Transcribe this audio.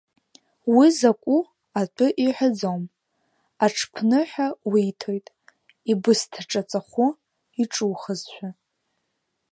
Уи закәу атәы иҳәаӡом, аҽԥныҳәа уиҭоит, ибысҭа ҿаҵахәы иҿухызшәа.